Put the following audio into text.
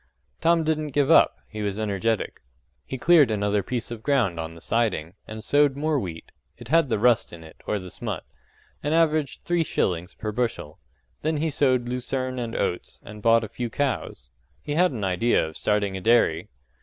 Tom didn't give up he was energetic. He cleared another piece of ground on the siding, and sowed more wheat; it had the rust in it, or the smut and averaged three shillings per bushel. Then he sowed lucerne and oats, and bought a few cows: he had an idea of starting a dairy.